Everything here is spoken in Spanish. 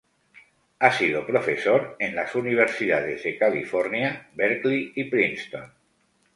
Ha sido profesor en las Universidades de California, Berkeley y Princeton.